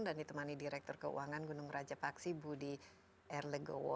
dan ditemani direktur keuangan gunung raja paksi budi erle gowo